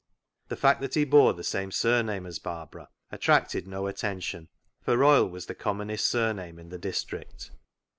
The fact that he bore the same surname as Barbara attracted no attention, for Royle was the commonest surname in the district.